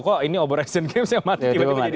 kok ini obor asian games yang mati tiba tiba jadi